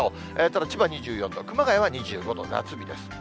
ただ、千葉２４度、熊谷は２５度、夏日です。